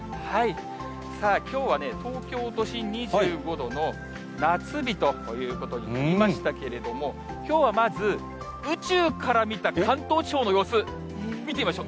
さあ、きょうはね、東京都心２５度の夏日ということになりましたけれども、きょうはまず、宇宙から見た関東地方の様子、見てみましょう。